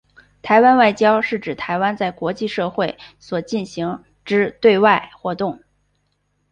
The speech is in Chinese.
台湾外交是指台湾在国际社会所进行之对外活动。